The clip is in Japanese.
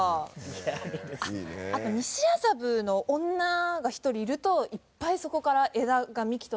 あっあと西麻布の女が１人いるといっぱいそこから枝が幹となりみたいな。